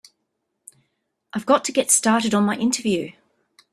I've got to get started on my interview.